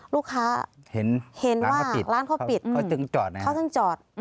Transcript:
ลูกค้าเห็นว่าร้านเขาปิดเขาจึงจอด